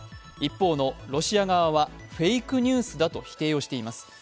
一方のロシア側はフェイクニュースだと否定しています。